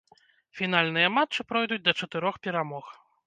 Фінальныя матчы пройдуць да чатырох перамог.